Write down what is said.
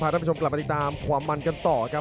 ท่านผู้ชมกลับมาติดตามความมันกันต่อครับ